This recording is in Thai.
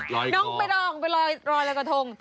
น้องไปลองไปลอยกระทง